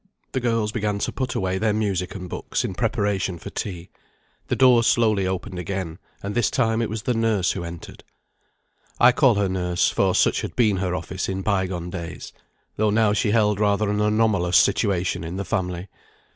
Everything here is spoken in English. The girls began to put away their music and books, in preparation for tea. The door slowly opened again, and this time it was the nurse who entered. I call her nurse, for such had been her office in by gone days, though now she held rather an anomalous situation in the family.